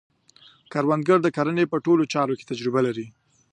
کروندګر د کرنې په ټولو چارو کې تجربه لري